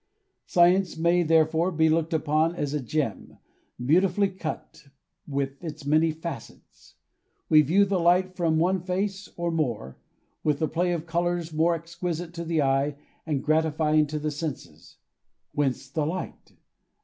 Science may therefore be looked upon as a gem, beauti fully cut, with its many facets. We view the light from one face, or more, with the play of colors most exquisite to the eye and gratifying to the senses. Whence the light?